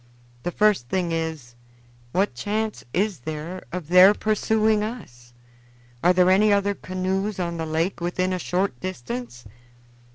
The first thing is, what chance is there of their pursuing us? Are there any other canoes on the lake within a short distance?"